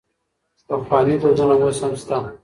پخواني دودونه اوس هم سته.